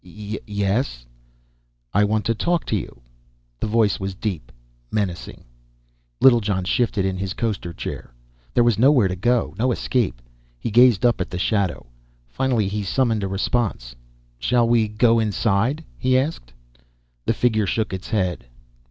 "Y yes " "I want to talk to you." The voice was deep, menacing. Littlejohn shifted in his coasterchair. There was nowhere to go, no escape. He gazed up at the shadow. Finally he summoned a response. "Shall we go inside?" he asked. The figure shook its head.